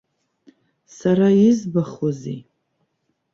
Сара избахуазеи!